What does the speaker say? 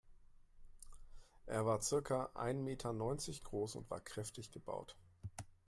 Er war circa ein Meter neunzig groß und war kräftig gebaut.